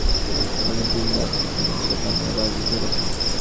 আমি জিন্দা আছি কি না সেটা নিয়ে বাজি ধরেছ?